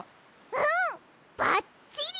うんばっちり！